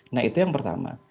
nah itu yang pertama